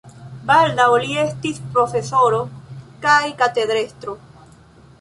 Baldaŭ li estis profesoro kaj katedrestro.